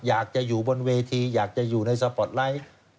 อยากจะอยู่บนเวทีอยากจะอยู่ในสปอร์ตไลท์